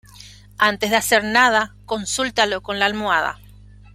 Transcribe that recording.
Antes de hacer nada, consúltalo con la almohada